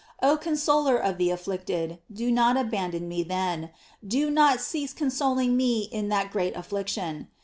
Oh consoler of the afflicted, do not abandon me then; do not cease consoling me in that great affliction.